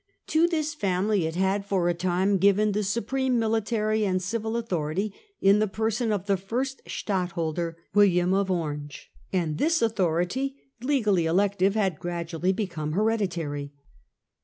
To this family it had for a time given the supreme military and civil authority, in the person of the first ' Stadtholder,' William of Orange; and this authority, legally elective, had gradually become hereditary.